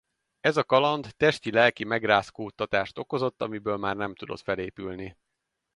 Ez a kaland testi lelki megrázkódtatást okozott amiből már nem tudott felépülni.